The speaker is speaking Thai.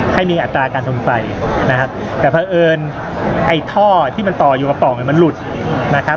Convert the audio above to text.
ให้มีอัตราการจมไฟนะครับแต่เพราะเอิญไอ้ท่อที่มันต่ออยู่กับป่องเนี่ยมันหลุดนะครับ